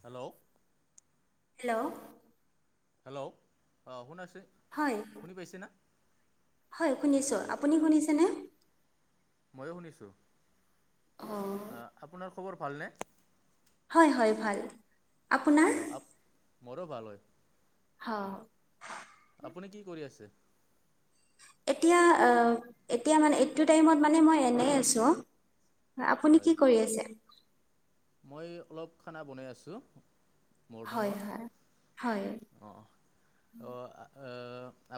Hello hello hello অ', শুন আছে হয় শুনি পাইছে না হয়, শুনিছো আপুনি শুনিছেনে ময়ো, শুনিছো আপোনাৰ খবৰ ভালনে? হয়, হয়, ভাল আপোনাৰ? অঁ আপ মোৰো ভাল হয় হয়, আপুনি কি কৰি আছে? এতিয়া, এতিয়া মানে, এইটো টাইমত মানে মই এনেই আছো অ', হয়, আপুনি কি কৰি আছে? মই অলপ খানা বনাই আছো হয়, হয়, অঁ অঁ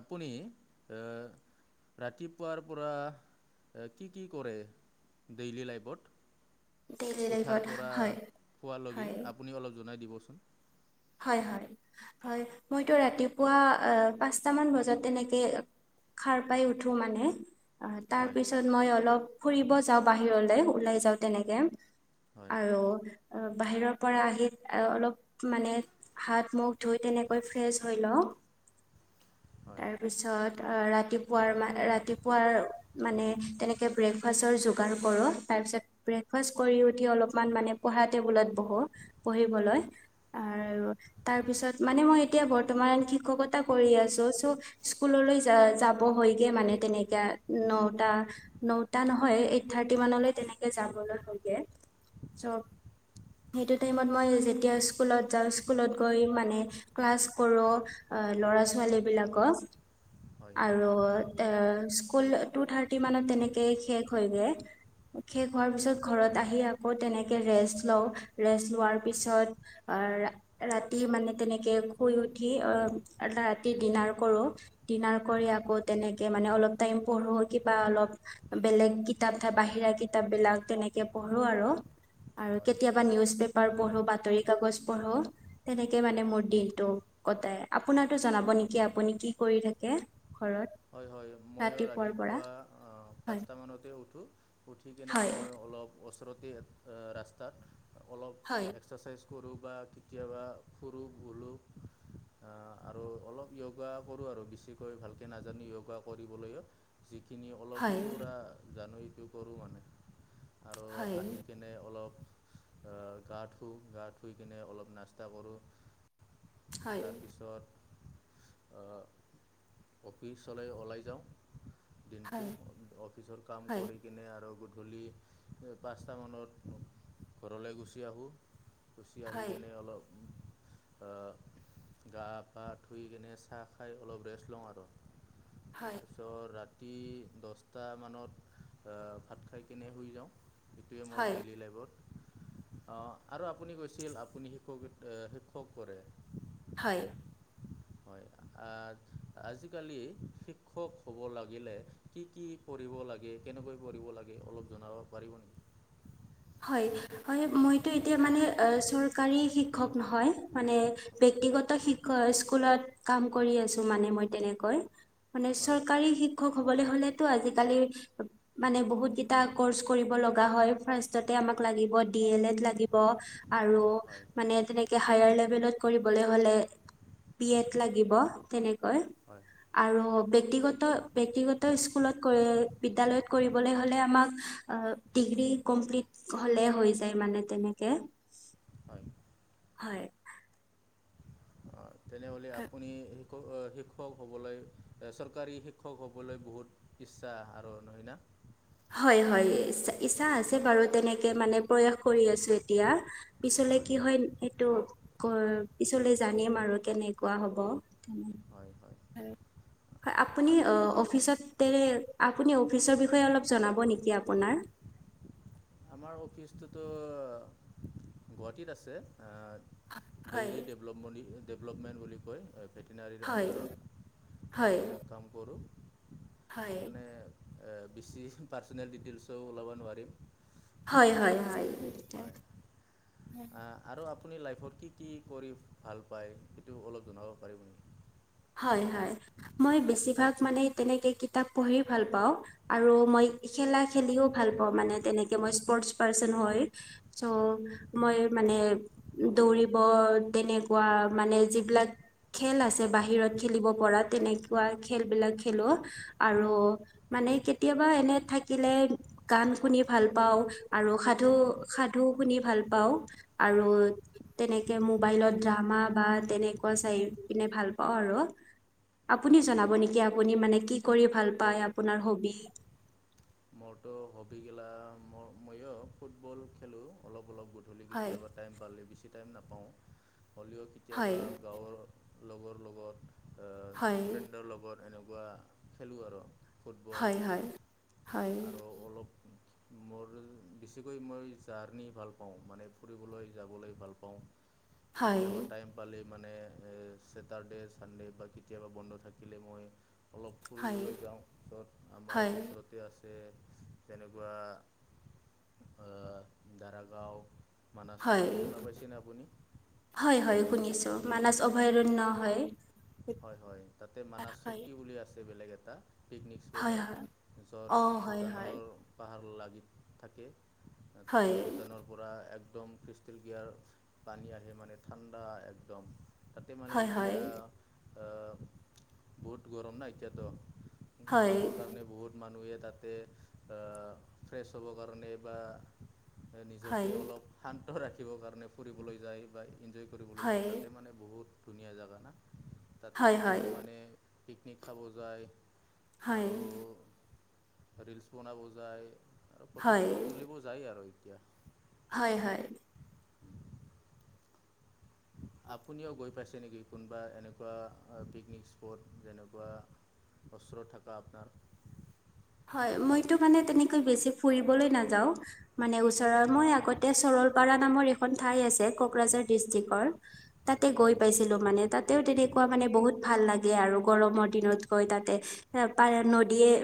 আপুনি? ৰাতিপুৱাৰ পৰা কি, কি, কৰে ডেইলী লাইফত উঠাৰ [unintelligible] পৰা হয় আপুনি অপ জনাই দিবচোন হয়, হয়, হয়, মইতো ৰাতিপুৱা পাঁচটামান বজাত তেনেকৈ খাৰ পাই উঠো মানে অ', তাৰ হয় পিছত মই অলপ ফুৰিব যাওঁ বাহিৰলে ওলাই যাওঁ তেনেকে হয় আৰু বাহিৰৰ পৰা আহি অলপ মানে হাত মুখ ধুই তেনেকৈ ফ্ৰেছ হৈ লওঁ হয় তাৰপিছত অ', ৰাতিপুৱাৰ ম ৰাতিপুৱাৰ মানে তেনেকে ব্ৰেকফাষ্টৰ যোগাৰ কৰো তাৰিছত, ব্ৰেকাষ্ট কৰি উঠি অলপ মানে পঢ়া টেবুলতো হয় আৰু তাৰ পিছত মানে, মই এতিয়া বৰ্তমান শিক্ষকতা কৰি আছো স্কুললৈ যাব হয়গে মানে, তেনে ন ন নহয় এই থাৰ্টি মান হয় তে [unintelligible] স্কুলত গৈ মানে ক্লাছ কৰোঁ ল'ৰা ছোৱালী বিলাকক হয় আৰু এ স্কুল টু থাৰ্টি মানত তেনেকেই শেষ হৈগৈ শেষ হোৱাৰ পিছত ঘৰত আহি আকৌ তেনেকে ৰেষ্ট লওঁ ৰেষ্ট লোৱাৰ পিছত আৰু ৰাতি মানে তেনেকে শুই উঠি অ, ৰাতি ডিনাৰ কৰো, ডিনাৰ কৰি হয় আকৌ তেনেকে মানে অলপ টাইম পঢ়ো কিবা অলপ বেলেগ কিতাপ থ বাহিৰা কিতাপ বিলাক তেনেকে পঢ়ো আৰু, আৰু হয় কেতিয়াবা ভাল নিউজ পেপাৰ পঢ়ো বা কাগজ পঢো তেনেকে মানে মোৰ দিনটো কট আপোনাৰটো জনাব নেকি আপুনি কি কৰি থাকে? ঘৰত হয়, হয় ময়ো ৰাতিপুৱাৰ পৰা ৰাতিপুৱা পাঁচ হয় মানতে উঠো, উঠি কেনে হয় মই অলপ ওচৰতে ৰাস্তাত হয় অলপ এক্সাৰচাইজ কৰোঁ বা কেতিয়াবা ফুৰোঁ বুলোঁ অ, আৰু অলপ য়োগা কৰো, আৰু বেছিকৈ ভালকে নাজ জানো যয়োগা কৰিবলৈও যিখিনি অলপ হয় সুৰা জানো ইটো কৰোঁ মানে আৰু হয় আহি কেনে অলপ। গা ধুওঁ, গা ধুই কিনে অলপ নাস্তা কৰোঁ। হয় তাৰ পিছত অফিচলৈ ওলাই যাওঁ। দিনটো হয় অফিচৰ কাম হয় কৰি কিনে আৰু ধূলি পাঁচট মানত ঘৰলৈ গুচি আহোঁ। গুচি আহি হয় কেনে অলপ উ আহ গা, পা, ধুই কেনে চাহ খাই অলপ ৰেষ্ট লওঁ আৰু। হয় তাৰছৌ ৰা ৰাতি দহটামানত ভাত খাইকনে শুই যাওঁ। এইটোৱে মোৰ হয় ডেইলী লাইফত অ, আৰু আপুনি কৈছিল আপুনি শিক্ষক, শিক্ষক কৰে। হয়। হয়, আ, আজি আজিকালি শিক্ষক হ'ব লাগিলে কি, কি, কৰিব লাগে, কেনেকৈ কৰিব লাগে অলপ জনাব পাৰিব নেকি। হয়, হয় মইতো এতিয়া মানে চৰকাৰী শিক্ষক নহয় মানে। বক্তিগত শ্ষ স্কুলত কাম কৰি আছো মানে মই তেনেকৈ। মানে হয় চৰকাৰী শিক্ষক ব, হলেতটো আজিকালি মানে বহুত কটা কৰ্চ কৰিব লগা হয়। ল, ল, আৰু হয় মান তেনে হলে, হলে। পি এট লাগিব, তেনেকৈ হয় আৰু ব্যক্তিগত, ব্যক্তিগত স্কুলত বিদ্যালয়ত কৰিবলৈ হ'লে আমাক ডিগ্ৰী, কমপ্ট হলে হৈ যায় মানে তেনেকে হয় হয়। অঁ, তেনেহ'লে আপুনি শ্ষ শিক্ষক হ'বলৈ চৰকাৰী, শিক্ষক হ'বলৈ বহুত ইচ্ছা আৰ ন, হয়য় ন। হয়, হয়, ইচ্ছা আছে বাৰু তেনেকে মানে প্ৰয়াস কৰি আছো, এতিয়া পিছত পিছলে কি হয়, সেইটো পিছলে জানিম আৰু কেনেকুৱা হ'ব তেনে হয় হয় হয় আ- অ', অ'। জনাব নেকি আপোনাৰ? আমাৰ অফিচটোতো গুৱাহাটীত আছে। হয় ডেইৰী ডেভলপমি, ডেভলপমেণ্ট বুলি কয়। ভেটেনাৰীৰ হয় আণ্ডাৰত হয় তাতে কাম কৰোঁ। হয়। মানে বেছি পাৰ্চনেল ডিটেইলছো ওলাব নোৱাৰিম। হয়, হয়, হয়। আহ আৰু আপুনি লাইফত কি, কি কৰি ভাল পায় সেইটো অলপ জনাব পাৰিব নেকি। হয়, হয়। মই বেছিভাগ মানে তেনেকে কিতাপ পঢ়ি ভাল পাওঁ আৰু মই খেলা খেলিও ভাল পাওঁ মানে তেনেকে মই স্পৰ্টচ পাৰ্চন হয় চ' হয় মই মানে দৌৰিব তেনেকুৱা মানে, যিবিলাক খেল আছে বাহিৰত খেলিব পৰা তেনেকুৱা খেল বিলাক খেলো আৰু মানে, কেতিয়াবা এনে থাকিলে গান শুনি ভাল পাওঁ আৰু সাধু সাধু শুনি ভাল পাওঁ আৰু হয় তেনেকে মোবাইলত ড্ৰামা বা তেনেকুৱা চাই পিনে ভাল পাওঁ আৰু আপুনি জনাব নেকি আপুনি মানে, কি কৰি ভাল পায় আপোনাৰ হবি মোৰতো হবি গেলা ম মইো ফুটবল খেলো অলপ অলপ গধূলি হয় কেতিয়াবা টাইম পালে বেছি টাইম নাপাওঁ হ'লেও হয় কেতিয়াবা গাঁৱৰ লগৰ লগত হয় ফ্ৰেণ্ডৰ লগত এনেকুৱা খেলোঁ আৰু ফুটবল হয়, হয়, হয়, আৰু অলপ মোৰ বেছিকৈ মই জাৰ্ণি ভাল পাওঁ মানে ফুৰিবলৈ যাবলৈ ভাল পাওঁ হয় কেতিয়াবা টাইম পালে মানে এ চছেটাৰ্ডে চানডে বা কেতিয়াবা বন্ধ থাকিলে মই অলপ হয় ফুৰিবলৈ যাওঁত আমাৰ হয় ওচৰতে আছে যেনেকুৱা দাৰাগাও হয়, শুনিছো ম অভয়াৰন হয় হয়, হয়, তাতে মানা হয় চকী বুলি আছে বেলেগ এটা পিকনিক স্পট হয় য'ত অ হয় হয় ভূটানৰ পাহাৰ লাগি থাকে তাতে হয় ভূটানৰ পৰা এক একদম ক্ৰিষ্টেল গিয়াৰ পানী আহে মানে ঠাণ্ডা একদম তাতে মানে হয় ইতিয়া আ ব গৰম ন ইতিয়াটো হয় হয় গৰমৰ কাৰণে বহুত মানুহ ইয়াত তাতে ফ্ৰেছ হ'বৰ কাৰণে বা নিজকে হয় অলপ শান্ত ৰাখিব কাৰণে ফুৰিবলৈ যায় বা এনজয় কৰিবলৈ যায় হয় তাতে মানে, বহুত ধুনীয়া জোগা না তাতে হয় আৰু হয় কিছুমানে পিকনিক খাব যায় হয়, আৰু ৰিলচ বনাব যায়, আৰু ফটো হয় চটো তুলিব যায় আৰু এতিয়া হয়, হয় আপুনিও গৈ পাইছে নেকি কোনোবা এনেকুৱা পিকনিক স্পট যেনেকুৱা [unintelligible] আপোনাৰ হয়, মইতো মানে, তেনেকৈ বেছি ফুৰিবলৈ নাযাও মানে ওচৰৰ হয় মই আগতে চৰলপাৰা নামৰ এখন ঠাই আছে কোকৰাঝাৰ ডিষ্ট্ৰিকটৰ হয় তাতে হয় গৈ পাইছিলো মানে, তাতেও তেনেকুৱা মানে, বহুত ভাল লাগে আৰু গৰমৰ দিনত গৈ তাতে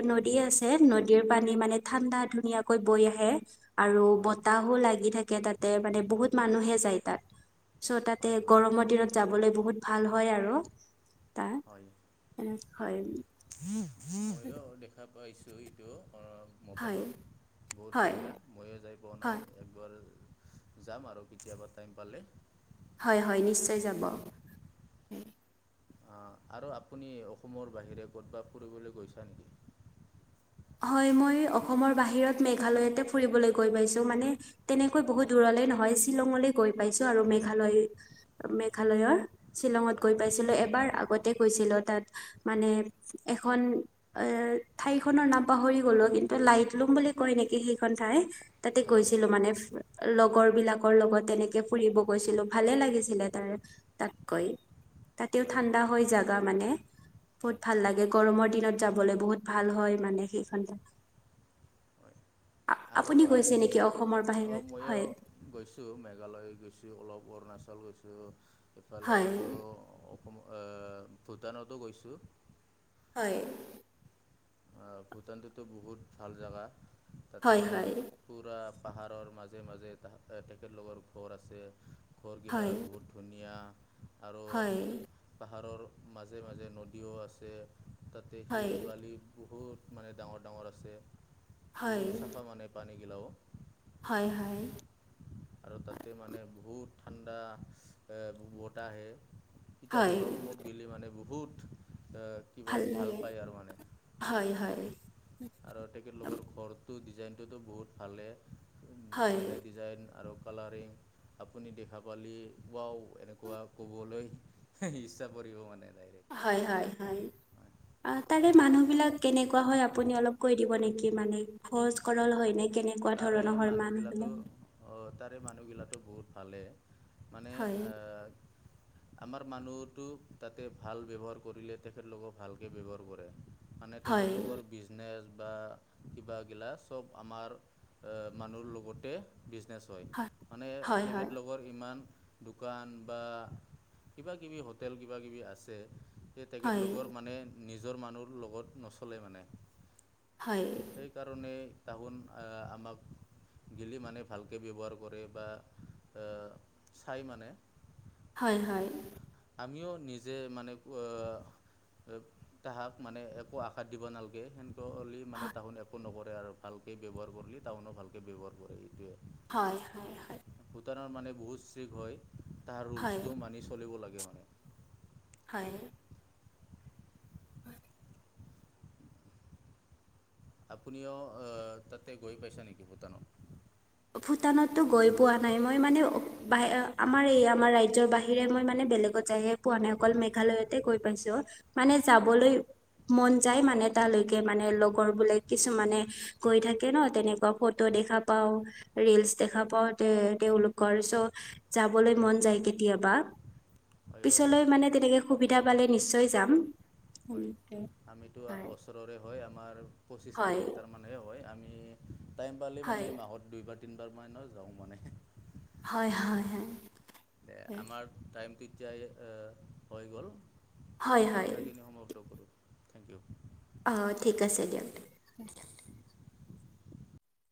ন আছে নদীৰ পানী মানে, ঠাণ্ডা ধুনীয়াকৈ বৈ আহে আৰু হয় বতাহো লাগি থাকে তাতে মানে বহুত মানুহে যায় তাত চ' তাতে হয় হয় গৰমৰ দিনত যাবলৈ বহুত ভাল হয়, আৰু হয় এ, হয়। ময়ো দেখা পাইছো এইটো হয় মোবাইলত বহুত হয় ধুনীয়া ময়ো যাই পোৱা নাই হয় একবাৰ যাম, আৰু কেতিয়াবা টাইম পালে হয়, হয়, নিশ্চয় যাব অ', ৰু আপুনি অসমৰ বাহিৰে ক'ৰবাত ফুৰিবলৈ গৈছা নেকি? হয়, মই অসমৰ বাহিৰত মেঘালয়তে ফুৰিবলৈ গৈ পাইছো মানে তেনেকৈ বহুত দূৰলে নহয় হয় হয় [unintelligible] আগতে কৈছিলো তাত মানে, এখন ঠনৰ ন পাহৰি গলো কিন্তু লাইট লুম বুলি কয় নেকি সেইখন ঠাই তাতে হয় হয় গৈছিলো মানে লগৰ বিলাকৰ লগত তেনেকে ফুৰিব গৈছিলো ভালে লাগিছিলে তাৰ তাতকৈ তাতেও ঠাণ্ডা হয়, জোগা মানে। বহুত হয় ভাল লাগে, গৰমৰ দিনত যাবলৈ বহুত ভাল হয় মানে। হয় আপুনি গৈছে নেকি অসমৰ অ, বাহিৰত ময়ো হয় গৈছো, মেঘালয় গৈছো, অলপ অৰুণাচল গৈছোঁ ইফালে হয় আৰু আহ ভূটানতো গৈছো। হয়। অ, ভূটানটোতো বহুত ভাল জোগা তাতে হয় পুৰা পাহাৰৰ মাজে, মাজে ত, তেখেতলোকৰ ঘৰ আছে ঘৰগিলা হয় বহুত ধুনীয়া। আৰু হয় পাহাৰৰ মাজে, মাজে নদীও আছে। তাতে হয় শিল, বালি বহুত মানে ডাঙৰ, ডাঙৰ আছে। হয় বহুত চাফা মানে পানীগিলাও। হয়, হয়। আৰু তাতে মানে বহুত ঠাণ্ডা এ, বতাহ আহে। এতিয়া হয় গৰমত গ'লে মানে বহুত এ, কি হয়াবে ভাল পায় আৰু মানে হয় হয় আৰু তেক লগৰ ঘৰত ত, ডিজাইনটোতো বহুত ভালেই হয় যেনে ডিজাইন আৰু কালাৰিং আপুনি দেখা পালি ও এনেকুৱা ক'বলৈ ইচ্ছা পৰি মানে তাই হয়, হয়, হয়। অ, তাৰে মানুহ বিলাক কেনেকুৱা হয়, আপুনি অলপ কৈ দিব নেকি মানে খহজ, সৰল হয় নে কেনেকুৱা তাৰে ধৰণৰ হয় মানুহগিলাটো মানুহবিলাক তাৰে মানুহগিলো বহুত ভালে মানে। হয় আমাৰ মানুহতো তাতে ভাল ব্যৱহাৰ কৰিলে তেখেতলোকক ভালকে ব্যৱহাৰ কৰে। মানে হয় তেখেতলোকৰ বিজনেছ বা কিবাগিলা চব আমাৰ। মানুহ লগতে বিজনেছ হয় মানে হয় হয় তেখেতলৰ ইমান। দোকান বা কিবা, কিবি হোটেল কিবা, কিবি আছে। এই তেখেত হয় লগৰ মানে নিজৰ মানুহ লগত নচলে মানে। হয় সেইকাৰণে তাহোন আহ আমাক গেলি মানে ভালকৈ ব্যৱহাৰ কৰে বা চাই মানে। হয়, হয়। আমিও নিজে মানে তাহাক মানে একো আশাত দিব নালাগে সেনে লি মানে তাহন একো নকৰে আৰু ভালকৈ ব্যৱহাৰ কৰিল তাহনো ভালকৈ ব্যৱহাৰ কৰে এইটোৱে। হয়, হয়, হয়। ভূটানত মানে বহুত ষ্ট্ৰিক্ট হয়। তাৰ হয় হয় ৰোলচটো মানি চলিব লাগে মানে। হয়। আপুনিও তাতে গৈ পাইছে নেকি ভূটানত। ভূটানতো গৈ পোৱা নাই। মই মানে বাহ আমাৰ এই আমাৰ ৰাজ্যৰ বাহিৰে মই মানে বেলেগত যাইহে পোৱা নাই অকল মেঘালয়ত হে গৈ পাইছো। মানে হয় যাবলৈ মন যায় মানে তালৈকে মানে লগৰ বোলে কিছুমানে গৈ থাকে ন তেনেকুৱা ফটো দেখ দো, পাওঁ। ৰিলচ দেখা পাও, তে, তেওঁওলোকৰ চ, যাবলৈ মন যায় কেতিয়াবা। হয় হয় পিছলৈ মানে তেনেকে সুবিধা পালে নিশ্চয় যাম। হয়। সেনেকে আমিতো হয় ওচৰৰে হয় আমাৰ পঁচিশ হয় কিলোমিটাৰ মানহে হয় আমি টাইম পালে মানে হয় মাহত দুইবাৰ, তিনিবাৰ মানৰ যাওঁ মানে হয়, হয়, হয়। দে আমাৰ টাইমটো এতিয়া হৈ গ'ল। হয় হয় হয় কথাখিনি সমাপ্ত কৰোঁ থেংক ইউ। অ, ঠিক আছে দিয়ক।